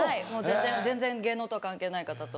はい全然芸能とは関係ない方と。